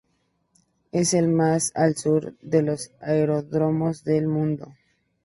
Es el más al sur de los aeródromos del mundo.